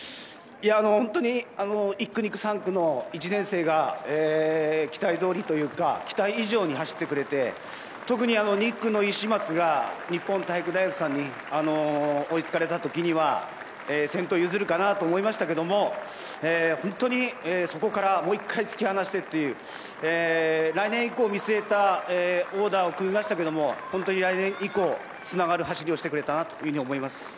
本当に１区、２区、３区の１年生が期待通りというか期待以上に走ってくれて特に２区の石松が日本体育大学さんに追いつかれたときには先頭譲るかなと思いましたけど本当にそこからもう一度突き放してという来年以降を見据えたオーダーを組みましたけど本当に来年以降つながる走りをしてくれたなと思います。